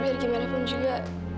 biar gimana pun juga